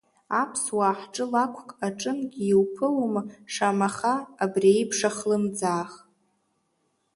Аԥсуаа ҳҿы лакәкк аҿынгьы иуԥылома, шамаха, абри еиԥш ахлымӡаах?